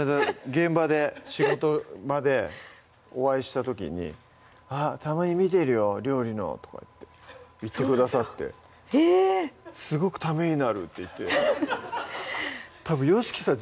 現場で仕事場でお会いした時に「あったまに見てるよ料理の」とかいって言ってくださってえぇ⁉「すごくためになる」って言ってたぶんＹＯＳＨＩＫＩさん